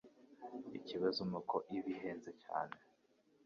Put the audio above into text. Ikibazo nuko bihenze cyane